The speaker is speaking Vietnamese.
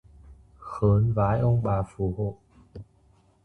Khớn vái ông bà phù hộ